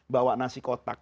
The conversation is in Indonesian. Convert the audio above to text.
bawa nasi kotak